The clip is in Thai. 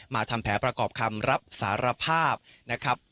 ทำแผนประกอบคำรับสารภาพนะครับ